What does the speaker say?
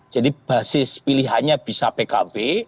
jadi basis pilihannya bisa pkb